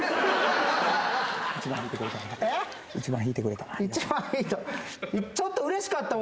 １番引いてくれたな。